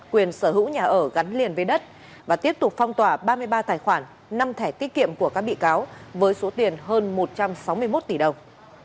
quyền sở hữu nhà ở gắn liền với đất và tiếp tục phong tỏa ba mươi ba tài khoản năm thẻ tiết kiệm của các bị cáo với số tiền hơn một trăm sáu mươi một tỷ đồng